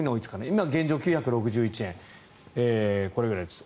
今、現状は９６１円でこれぐらいです。